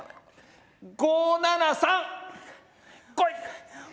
５７３こい！